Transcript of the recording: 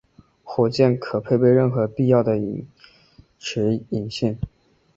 火箭可配备任何必要的延迟引信。